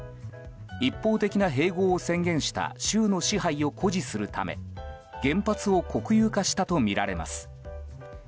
一方的な併合を宣言した州の支配を誇示するため原発を国有化したとみられます。